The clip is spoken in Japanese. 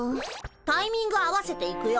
タイミング合わせていくよ。